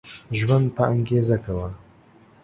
ژوند په انګيزه کوه